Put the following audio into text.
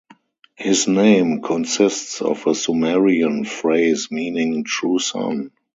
"His name consists of a Sumerian phrase meaning "true son"."